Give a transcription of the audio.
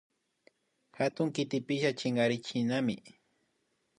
Hatun kitipika chinkarinillami